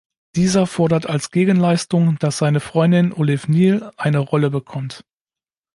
Dieser fordert als Gegenleistung, dass seine Freundin Olive Neal eine Rolle bekommt.